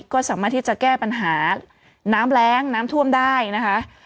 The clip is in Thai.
ก็สามารถที่จะแก้ปัญหาน้ำแรงน้ำท่วมได้นะคะ